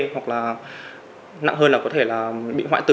hoặc là nặng hơn là có thể là bị hoại tử